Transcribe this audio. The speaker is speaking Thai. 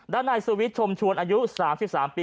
ดันไนสฟวิชชมชวนอายุ๓๓ปี